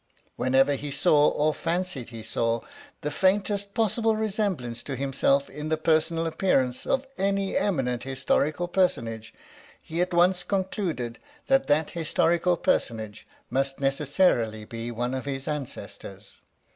Whenever he saw, or fancied he saw, the faintest possible resemblance to himself in the personal appearance of any eminent historical personage, he at once concluded that that historical personage must necessarily be one of his ancestors.